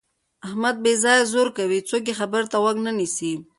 احمد هسې بې ځایه زور کوي. څوک یې خبرې ته غوږ نه نیسي.